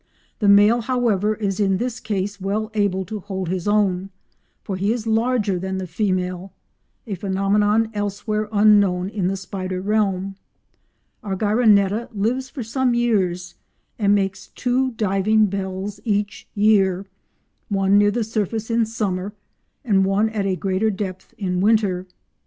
The male, however, is in this case well able to hold his own, for he is larger than the female, a phenomenon elsewhere unknown in the spider realm. Argyroneta lives for some years, and makes two diving bells each year—one near the surface in summer and one at a greater depth in winter.